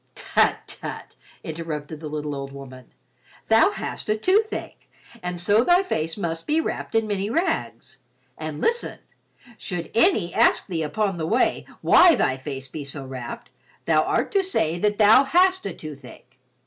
"Tut, tut," interrupted the little old woman. "Thou hast a toothache, and so thy face must be wrapped in many rags. And listen, should any ask thee upon the way why thy face be so wrapped, thou art to say that thou hast a toothache.